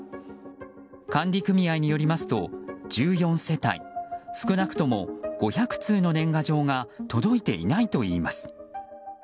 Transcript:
管理組合によりますと、１４世帯少なくとも５００通の年賀状が届いていないといいます。